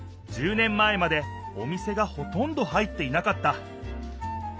１０年前までお店がほとんど入っていなかった。